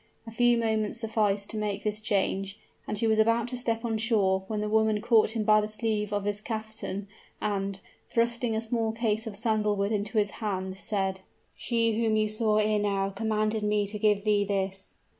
A few moments sufficed to make this change; and he was about to step on shore, when the woman caught him by the sleeve of his caftan, and, thrusting a small case of sandal wood into his hand, said: "She whom you saw ere now, commanded me to give thee this."